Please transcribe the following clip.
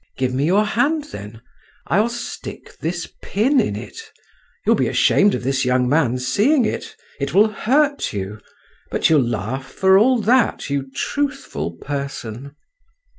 Give me your hand then; I'll stick this pin in it, you'll be ashamed of this young man's seeing it, it will hurt you, but you'll laugh for all that, you truthful person."